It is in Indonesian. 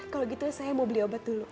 kalau gitu saya mau beli obat dulu